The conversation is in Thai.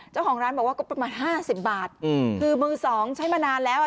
เจ้าของร้านบอกว่าก็ประมาณ๕๐บาทคือเมื่อสองใช้มานานแล้ว